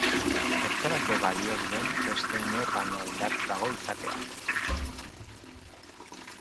Zertarako balio duen beste inor baino indartsuago izateak.